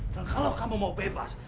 dan kalau kamu mau bebas